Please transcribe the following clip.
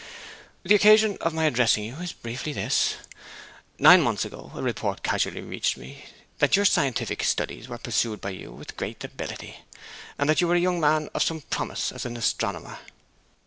'The occasion of my addressing you is briefly this: Nine months ago a report casually reached me that your scientific studies were pursued by you with great ability, and that you were a young man of some promise as an astronomer.